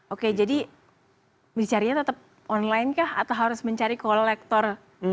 oke jadi mencarinya tetap online kah atau harus mencari kolektor